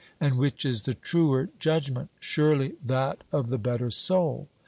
And which is the truer judgment? Surely that of the better soul.